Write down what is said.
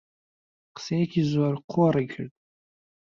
قسەیەکی زۆر قۆڕی کرد